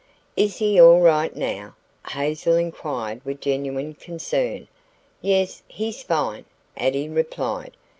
"Is he all right now?" Hazel inquired with genuine concern. "Yes, he's fine," Addie replied.